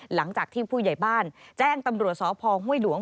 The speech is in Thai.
หลังจากที่ผู้ใหญ่บ้านแจ้งตำรวจสพห้วยหลวง